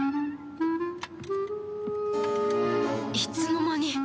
いつの間に